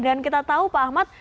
dan kita tahu pak ahmad